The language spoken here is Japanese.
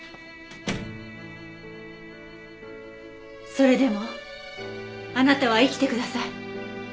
それでもあなたは生きてください。